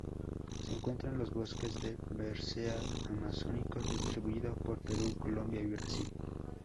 Se encuentra en los bosques de várzea amazónicos, distribuido por Perú, Colombia y Brasil.